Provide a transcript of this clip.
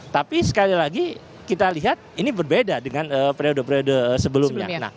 tapi sekali lagi kita lihat ini berbeda dengan periode periode sebelumnya